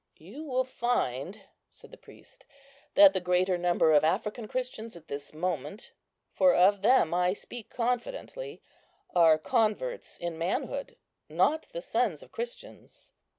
"You will find," said the priest, "that the greater number of African Christians at this moment, for of them I speak confidently, are converts in manhood, not the sons of Christians.